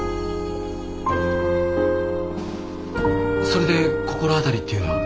それで心当たりっていうのは？